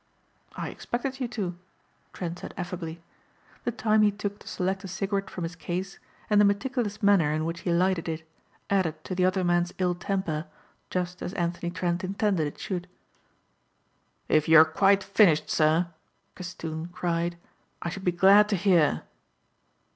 "I expected you to," Trent said affably. The time he took to select a cigarette from his case and the meticulous manner in which he lighted it added to the other man's ill temper just as Anthony Trent intended it should. "If you are quite finished, sir," Castoon cried, "I should be glad to hear."